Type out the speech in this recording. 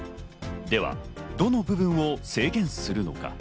では、どの部分を制限するのか。